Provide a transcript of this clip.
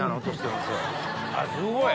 すごい！